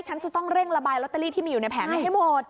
ฉันจะต้องเร่งระบายลอตเตอรี่ที่มีอยู่ในแผงนี้ให้หมด